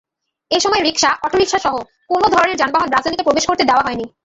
এসময় রিকশা, অটোরিকশাসহ কোনো ধরনের যানবাহন রাজধানীতে প্রবেশ করতে দেওয়া হয়নি।